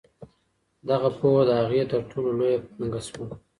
دغه پوهه د هغې تر ټولو لویه پانګه شوه.